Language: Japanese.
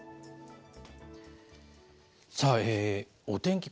さあ、お天気